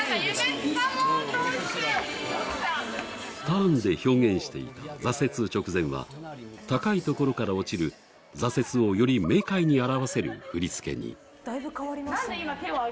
ターンで表現していた挫折直前は高い所から落ちる、挫折をより明快に表せる振り付けに。